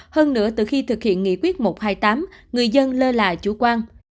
hơn nữa từ khi thực hiện nghị quyết một trăm hai mươi tám người dân lơ là chủ quan